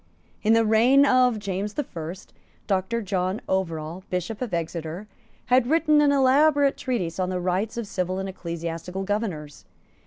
In the reign of James the First, Doctor John Overall, Bishop of Exeter, had written an elaborate treatise on the rights of civil and ecclesiastical governors.